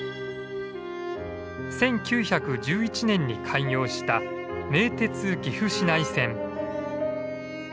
１９１１年に開業した名鉄岐阜市内線。